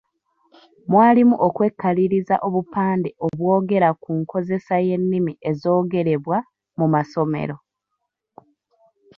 Mwalimu okwekaliriza obupande obwogera ku nkozesa y’ennimi ezoogerebwa mu masomero.